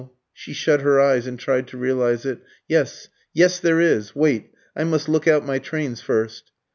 She shut her eyes and tried to realise it. "Yes yes, there is! Wait I must look out my trains first."